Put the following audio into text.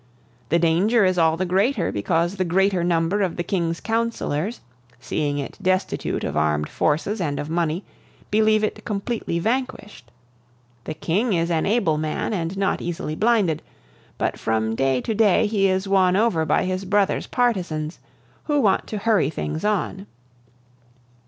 The danger is all the greater because the greater number of the King's counselors, seeing it destitute of armed forces and of money, believe it completely vanquished. The King is an able man, and not easily blinded; but from day to day he is won over by his brother's partisans, who want to hurry things on.